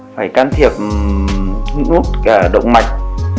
phải can thiệp động mạch